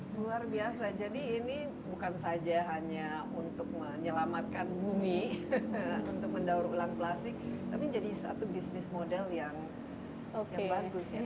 luar biasa jadi ini bukan saja hanya untuk menyelamatkan bumi untuk mendaur ulang plastik tapi jadi satu bisnis model yang bagus ya